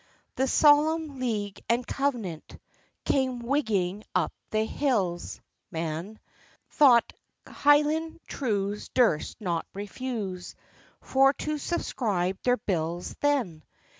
The Solemn League and Covenant Came whigging up the hills, man; Thought Highland trews durst not refuse For to subscribe their bills then.